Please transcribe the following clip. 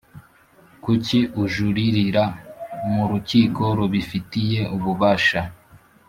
kuki ujuririra mu rukiko rubifitiye ububasha